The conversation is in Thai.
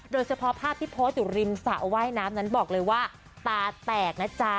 โดยเฉพาะภาพที่โพสต์อยู่ริมสระว่ายน้ำนั้นบอกเลยว่าตาแตกนะจ๊ะ